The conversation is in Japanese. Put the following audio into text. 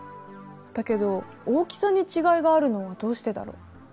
だけど大きさに違いがあるのはどうしてだろう？